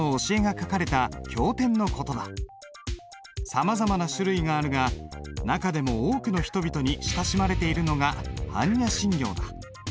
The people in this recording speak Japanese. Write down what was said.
さまざまな種類があるが中でも多くの人々に親しまれているのが般若心経だ。